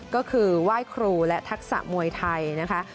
ก็คือไหว้ครูและทักษะมวยไทยนะคะ